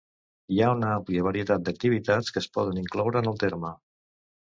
Hi ha una àmplia varietat d'activitats que es poden incloure en el terme.